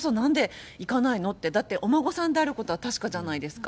だってお孫さんであることは確かじゃないですか。